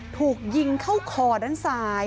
ถูกยิงเข้าคอด้านซ้าย